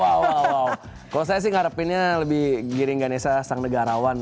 kalau saya sih ngarepinnya lebih giring ganesha sang negarawan